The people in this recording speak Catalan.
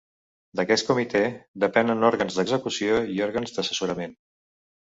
D'aquest comitè depenen òrgans d'execució i òrgans d'assessorament.